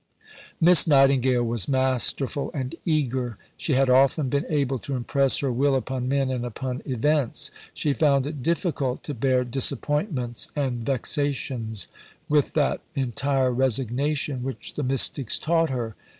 Miss Nightingale was masterful and eager; she had often been able to impress her will upon men and upon events; she found it difficult to bear disappointments and vexations with that entire resignation which the mystics taught her.